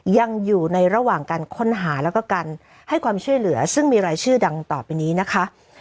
ยังอยู่ในระหว่างการค้นหาแล้วก็การให้ความช่วยเหลือซึ่งมีรายชื่อดังต่อไปนี้นะคะ